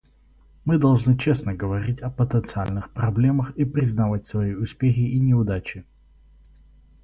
Мы должны честно говорить о потенциальных проблемах и признавать свои успехи и неудачи.